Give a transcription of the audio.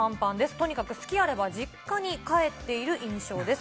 とにかく隙あれば実家に帰っている印象です。